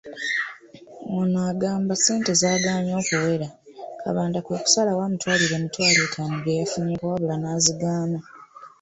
Ono agamba ssente zagaanye okuwera , Kabanda kwekusalawo amutwalire emitwalo etaano gye yafunyeeko wabula n'azigaana.